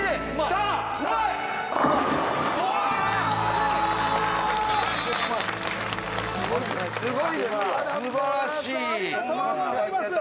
ありがとうございます！